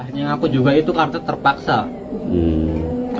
akhirnya aku juga itu kartu terpaksa